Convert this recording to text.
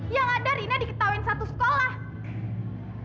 yang ada rina diketahui satu sekolah